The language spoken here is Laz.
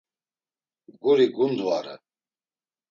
Guri gundvare.